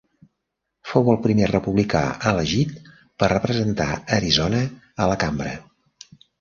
Fou el primer republicà elegit per representar Arizona a la cambra.